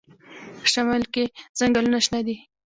په شمال کې ځنګلونه شنه دي.